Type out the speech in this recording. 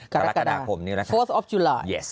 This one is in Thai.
กรกฎาคมนี้แหละค่ะ